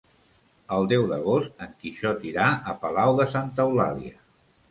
El deu d'agost en Quixot irà a Palau de Santa Eulàlia.